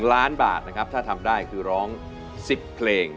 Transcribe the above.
ล้านบาทนะครับถ้าทำได้คือร้อง๑๐เพลง